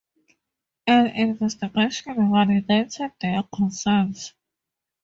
An investigation validated their concerns.